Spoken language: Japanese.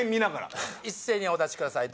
一斉にお出しください